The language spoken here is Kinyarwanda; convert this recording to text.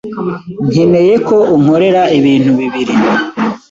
Nkeneye ko unkorera ibintu bibiri.